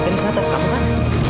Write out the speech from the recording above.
tadi sana tas kamu kan